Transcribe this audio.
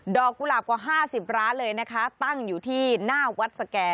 ดอกกุหลาบกว่า๕๐ล้านบาทตั้งอยู่ที่หน้าวัดสแก่